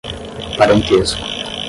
parentesco